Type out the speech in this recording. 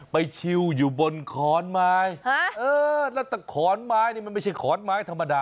ไปอยู่บนขัวนไม้เออแล้วแต่ขัวนไม้นี่มันไม่ใช่ขอดมากธรรมดา